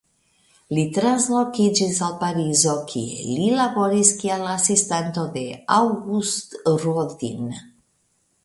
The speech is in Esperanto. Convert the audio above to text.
Li translokiĝis al Parizo kie li laboris kiel asistanto de Auguste Rodin.